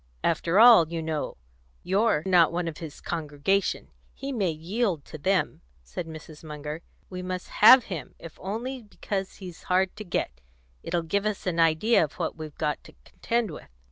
"After all, you know, you're not one of his congregation; he may yield to them," said Mrs. Munger. "We must have him if only because he's hard to get. It'll give us an idea of what we've got to contend with."